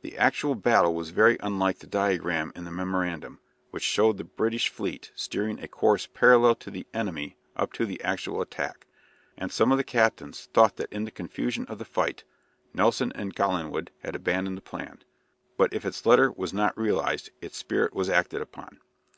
The actual battle was very unlike the diagram in the memorandum, which showed the British fleet steering a course parallel to the enemy up to the actual attack, and some of the captains thought that in the confusion of the fight Nelson and Collingwood had abandoned the plan. But if its letter was not realized, its spirit was acted upon.